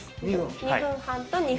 ２分半と２分。